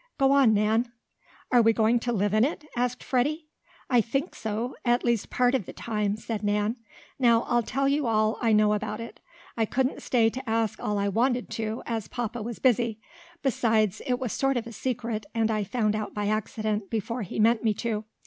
Go on, Nan." "Are we going to live in it?" asked Freddie. "I think so at least part of the time," said Nan. "Now I'll tell you all I know about it. I couldn't stay to ask all I wanted to, as papa was busy. Besides, it was sort of a secret, and I found it out by accident before he meant me to.